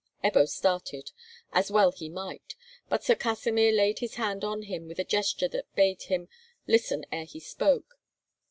Ebbo started, as well he might, but Sir Kasimir laid his hand on him with a gesture that bade him listen ere he spoke.